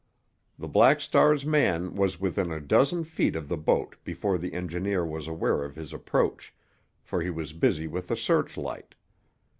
The Black Star's man was within a dozen feet of the boat before the engineer was aware of his approach, for he was busy with the searchlight.